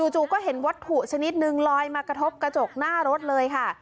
จู่ก็เห็นวัตถุชนิดนึงลอยมากระทบกระจกหน้ารถเลยค่ะ